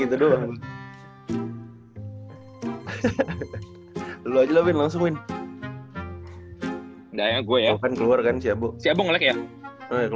ini abu kenyang lelek nih